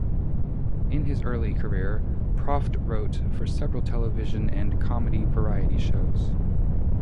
In his early career, Proft wrote for several television and comedy variety shows.